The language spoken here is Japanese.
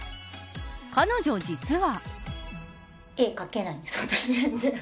彼女、実は。